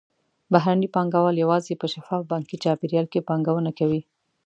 بهرني پانګهوال یوازې په شفاف بانکي چاپېریال کې پانګونه کوي.